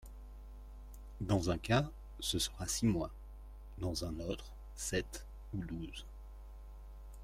Dans un cas, ce sera six mois ; dans un autre, sept ou douze.